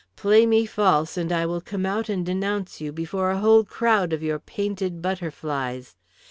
Play me false, and I will come out and denounce you before a whole crowd of your painted butterflies.